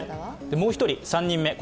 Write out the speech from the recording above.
もう一人、３人目。